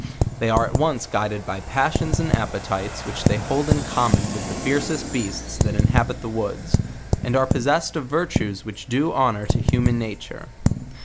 They are at once guided by passions and appetites, which they hold in common with the fiercest beasts that in habit the woods, and are possessed of virtues which do hon or to human nature.